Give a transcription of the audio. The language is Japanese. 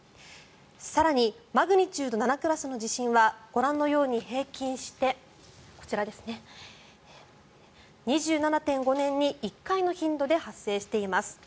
更にマグニチュード７クラスの地震はご覧のように平均して２７．５年に１回の頻度で発生しています。